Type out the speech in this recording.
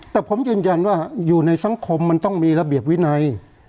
แต่ผมยืนยันว่าอยู่ในสังคมมันต้องมีระเบียบวินัย